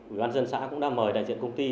quyền bán dân xã cũng đã mời đại diện công ty